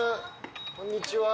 こんにちは。